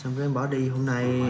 xong rồi em bỏ đi hôm nay